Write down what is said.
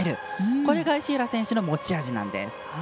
これが石浦選手の持ち味なんです。